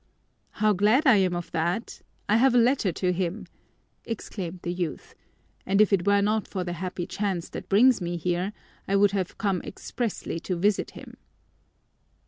"How glad I am of that! I have a letter to him," exclaimed the youth, "and if it were not for the happy chance that brings me here, I would have come expressly to visit him."